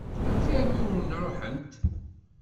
Amek armi i wen-ṛuḥent?